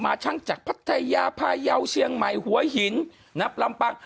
ช่างจากพัทยาพายาวเชียงใหม่หัวหินนับลำปัง